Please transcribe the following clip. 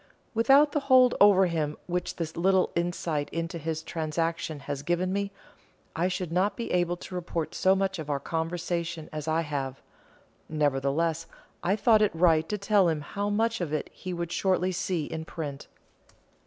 Without the hold over him which this little insight into his transactions has given me, I should not be able to report so much of our conversation as I have. Nevertheless I thought it right to tell him how much of it he would shortly see in print.